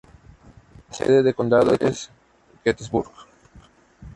La sede de condado es Gettysburg.